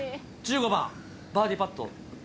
１５番バーディーパット。